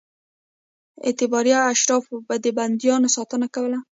اعتباري اشرافو به د بندیانو ساتنه کوله.